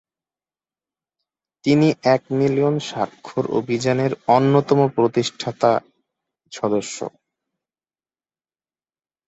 তিনি এক মিলিয়ন স্বাক্ষর অভিযানের অন্যতম প্রতিষ্ঠাতা সদস্য।